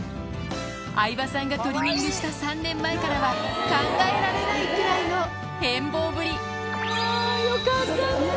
相葉さんがトリミングした３年前からは考えられないくらいの変貌ぶり。